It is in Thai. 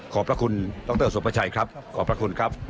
ขอบพระคุณดรสุภาชัยครับขอบพระคุณครับ